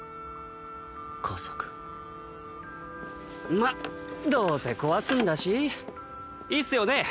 まっどうせ壊すんだしいいっすよね？